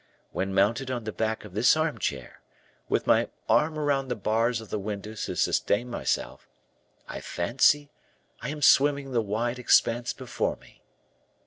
When mounted on the back of this armchair, with my arm around the bars of the window to sustain myself, I fancy I am swimming the wide expanse before me."